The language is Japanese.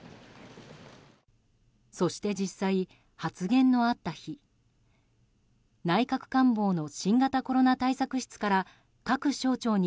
そして、実際発言のあった日内閣官房の新型コロナ対策室から各省庁に